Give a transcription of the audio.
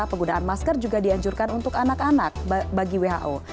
penggunaan masker juga dianjurkan untuk anak anak bagi who